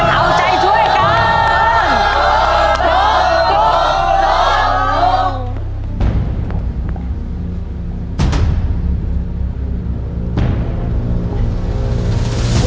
เอาใจช่วยกัน